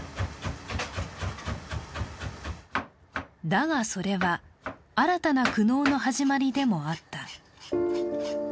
だが、それは新たな苦悩の始まりでもあった。